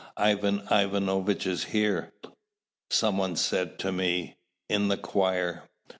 "Ivan Ivanovitch is here," some one said to me, "in the choir."